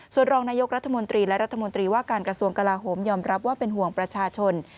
ส่วนรองนายกรัฐมนตรีและรัฐมนตรีว่าการกระทรวงกลาโหมยอมรับว่าเป็นห่วงประชาชน